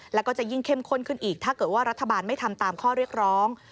แล้วก็จะยิ่งเข้มข้นขึ้นอีกถ้าเกิดว่ารัฐบาลไม่ทำตามข้อเรียกร้อง